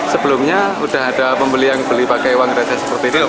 sebelumnya sudah ada pembeli yang beli pakai uang receh seperti itu